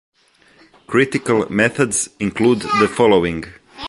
Critical methods include the following.